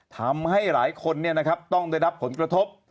ทำให้หลายคนต้องได้รับผลกระทบ